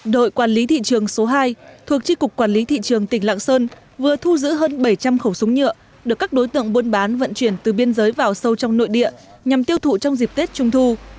đội quản lý thị trường số hai thuộc tri cục quản lý thị trường tỉnh lạng sơn vừa thu giữ hơn bảy trăm linh khẩu súng nhựa được các đối tượng buôn bán vận chuyển từ biên giới vào sâu trong nội địa nhằm tiêu thụ trong dịp tết trung thu